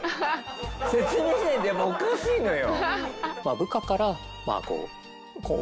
説明しないとやっぱおかしいのよ。